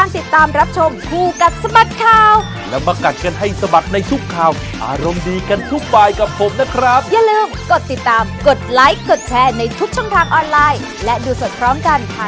พิมพ์ชอบราชินต้อง